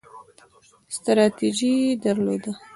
ستراتیژي یې درلوده.